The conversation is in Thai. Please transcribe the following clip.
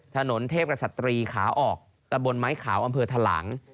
ถนนเทพกษัตรีขาออกตะบนไม้ขาวอำเภอทะหลัง